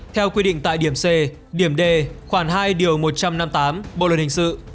theo quy định tại điểm c điểm d khoảng hai điều một trăm năm mươi tám bộ luật hình sự